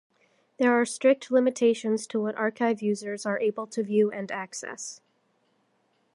There are strict limitations to what archive users are able to view and access.